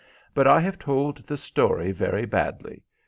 But I have told the story very badly.